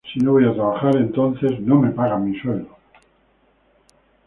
Si no voy a trabajar, entonces no me pagan mi sueldo.